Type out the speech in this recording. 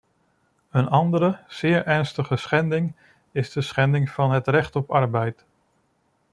Een andere, zeer ernstige schending is de schending van het recht op arbeid.